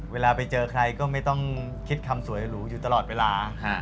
เวลาไปเจอใครก็ไม่ต้องคิดคำสวยหรูอยู่ตลอดเวลา